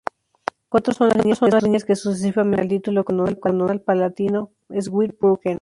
Cuatro son las líneas que sucesivamente llevaron el título condal palatino Zweibrücken.